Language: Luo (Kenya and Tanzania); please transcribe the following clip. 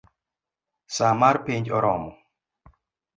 Saa mar penj oromo